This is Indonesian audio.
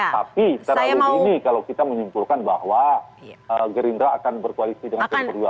tapi terlalu dini kalau kita menyimpulkan bahwa gerinda akan berkoalisi dengan pd perjuangan lalu